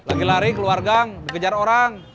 lagi lari keluar gang dikejar orang